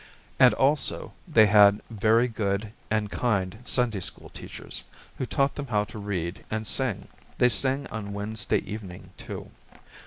And also, they had very good and kind Sunday school teachers, who taught them how to read and sing. They sing on Wednesday evening, too.